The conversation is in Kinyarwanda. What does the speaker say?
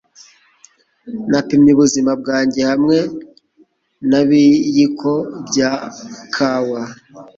Napimye ubuzima bwanjye hamwe n'ibiyiko bya kawa;